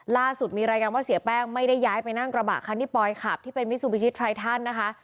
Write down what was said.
ล่าสุดมีรายงานว่าเสียแป้งไม่ได้ย้ายไปนั่งกระบะคันที่ปอยขับที่เป็นมิซูบิชิตไทรทันนะคะ